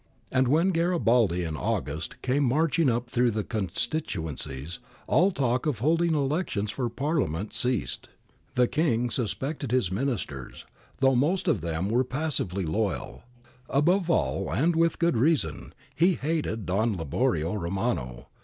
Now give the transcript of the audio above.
And when Garibaldi in August came marching up through the constituencies, all talk of holding elections for Parliament ceased. ' D'Ayala, 286. 166 w POLITICAL SITUATION IN NAPLES 167 The King suspected his Ministers, though most of them were passively loyal. Above all and with good reason he hated Don Liborio Romano.